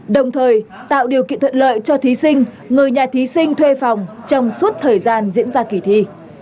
đồng thời tạo điều kiện thuận lợi cho thí sinh người nhà thí sinh thuê phòng trong suốt thời gian diễn ra kỳ thi